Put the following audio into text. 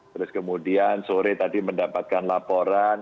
terus kemudian sore tadi mendapatkan laporan